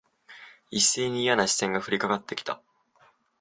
一斉にいやな視線が降りかかって来た。